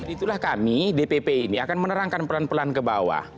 itulah kami dpp ini akan menerangkan pelan pelan ke bawah